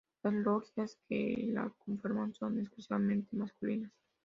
Las logias que la conforman son exclusivamente masculinas.